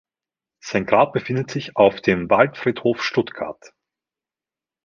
Sein Grab befindet sich auf dem Waldfriedhof Stuttgart.